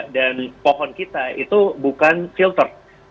dan pohon kita itu bukan filter